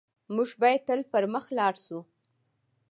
موږ بايد تل پر مخ لاړ شو.